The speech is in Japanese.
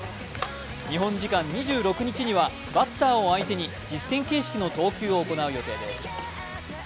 日本時間２６日にはバッターを相手に実戦形式の投球を行う予定です。